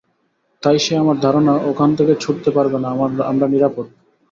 তাই সে, আমার ধারনা, ওখান থেকে ছুটতে পারবেনা, আমরা নিরাপদ!